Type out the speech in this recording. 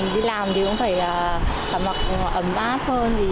đi làm thì cũng phải mặc ấm áp hơn